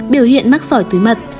biểu hiện mắc sỏi túi mật